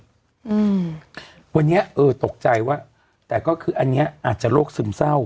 อืมวันนี้เออตกใจว่าแต่ก็คืออันเนี้ยอาจจะโรคซึมเศร้า